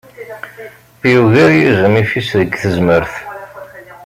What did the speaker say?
Yugar yizem ifis deg tezmert.